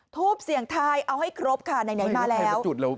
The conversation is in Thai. ทูปเสียงทายเอาให้ครบค่ะไหนมาแล้ว